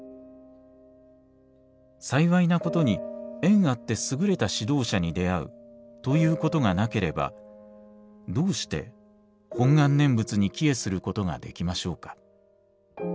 幸いなことに縁あってすぐれた指導者に出遭うということがなければどうして本願念仏に帰依することができましょうか。